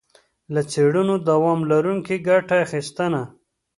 له څړونو دوام لرونکي ګټه اخیستنه.